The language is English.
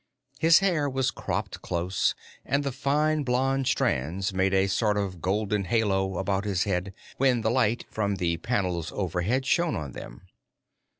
His hair was cropped close, and the fine blond strands made a sort of golden halo about his head when the light from the panels overhead shone on them.